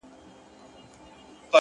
په تهمتونو کي بلا غمونو ـ